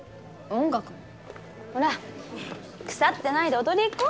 ほら腐ってないで踊り行こう！